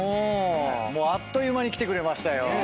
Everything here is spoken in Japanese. あっという間に来てくれましたよ。